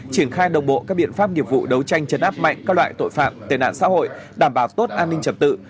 triển khai đồng bộ các biện pháp nghiệp vụ đấu tranh chấn áp mạnh các loại tội phạm tệ nạn xã hội đảm bảo tốt an ninh trật tự